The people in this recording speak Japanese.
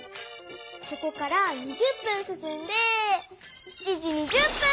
そこから２０分すすんで７時２０分！